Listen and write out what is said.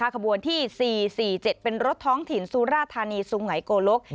ขบวนที่๔๔๗เป็นรถท้องถิ่นสุราธานีสุงัยโกลก